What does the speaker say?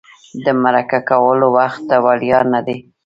د مرکه کولو وخت وړیا نه دی.